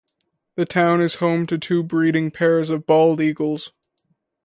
The town is home to two breeding pairs of bald eagles.